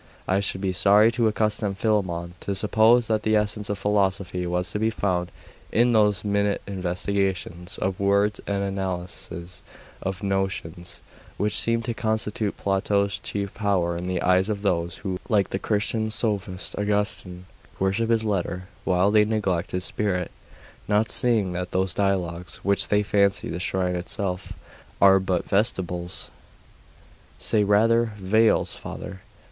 I should be sorry to accustom Philammon to suppose that the essence of philosophy was to be found in those minute investigations of words and analyses of notions, which seem to constitute Plato's chief power in the eyes of those who, like the Christian sophist Augustine, worship his letter while they neglect his spirit; not seeing that those dialogues, which they fancy the shrine itself, are but vestibules ' 'Say rather, veils, father.